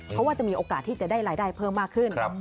เพราะว่าจะมีโอกาสที่จะได้รายได้เพิ่มมากขึ้น